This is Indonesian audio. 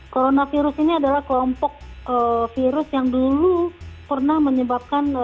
coronavirus ini adalah kelompok virus yang dulu pernah menyebabkan